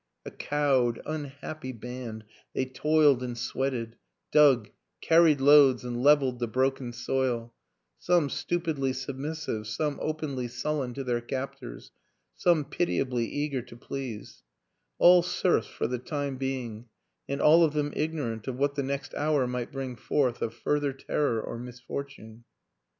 A cowed, unhappy band, they toiled and sweated, dug, carried loads and leveled the broken soil; some stupidly submissive, some openly sullen to their captors, some pitiably eager to please: all serfs for the time being and all of them ignorant of what the next hour might bring forth of fur ther terror or misfortune.